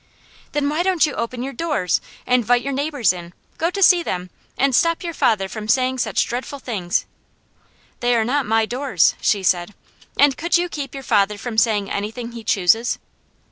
"Then why don't you open your doors, invite your neighbours in, go to see them, and stop your father from saying such dreadful things?" "They are not my doors," she said, "and could you keep your father from saying anything he chooses?"